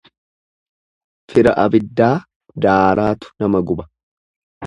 Fira abiddaa daaraatu nama guba.